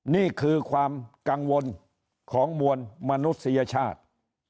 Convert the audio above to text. นี่คือความกังวลของมวลมนุษยชาติ